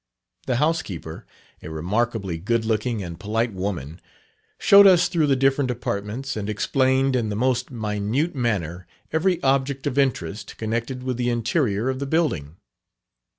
The housekeeper a remarkably good looking and polite woman showed us through the different apartments, and explained in the most minute manner every object of interest connected with the interior of the building.